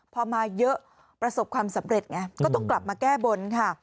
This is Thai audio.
พอมาเยอะประสบความสำเร็จไงก็ต้องกลับมาแก้บนค่ะ